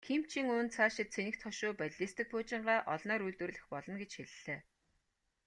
Ким Чен Ун цаашид цэнэгт хошуу, баллистик пуужингаа олноор үйлдвэрлэх болно гэж хэллээ.